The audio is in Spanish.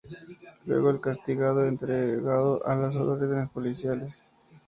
Luego el castigado es entregado a las órdenes policiales.